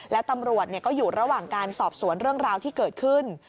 แล้วตำรวจก็อยู่ระหว่างการสอบสวนเรื่องราวที่เกิดขึ้น